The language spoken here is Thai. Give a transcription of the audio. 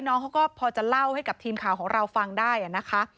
น้องเขาก็พอจะเล่าให้กับทีมข่าวของเราฟังได้นะคะ